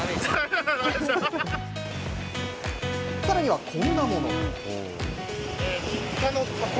さらにはこんなものも。